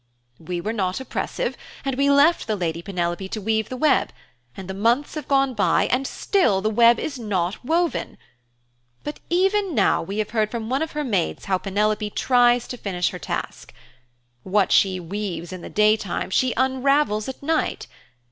'We were not oppressive and we left the lady Penelope to weave the web, and the months have gone by and still the web is not woven. But even now we have heard from one of her maids how Penelope tries to finish her task. What she weaves in the daytime she unravels at night.